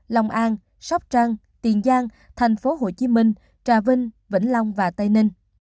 lòng an sóc trăng tiền giang thành phố hồ chí minh trà vinh vĩnh long và tây ninh